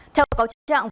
theo cáo trang